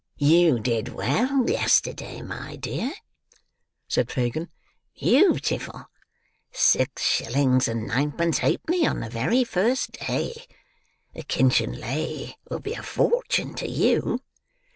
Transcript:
"You did well yesterday, my dear," said Fagin. "Beautiful! Six shillings and ninepence halfpenny on the very first day! The kinchin lay will be a fortune to you."